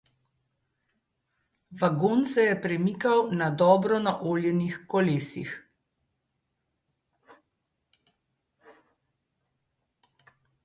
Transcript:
Vagon se je premikal na dobro naoljenih kolesih.